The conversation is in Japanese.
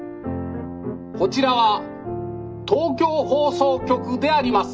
こちらは東京放送局であります」。